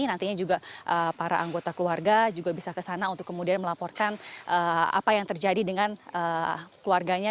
nantinya juga para anggota keluarga juga bisa ke sana untuk kemudian melaporkan apa yang terjadi dengan keluarganya